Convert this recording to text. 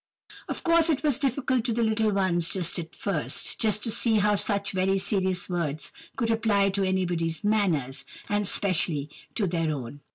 Of course, it was difficult to the little ones, just at first, to see how such very serious words could apply to anybody's manners, and especially to their own.